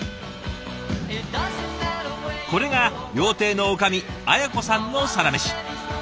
これが料亭の女将綾子さんのサラメシ。